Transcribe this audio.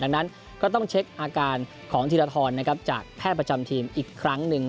ดังนั้นก็ต้องเช็คอาการของธีรทรจากแพทย์ประจำทีมอีกครั้งหนึ่ง